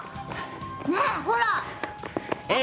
ねえほら！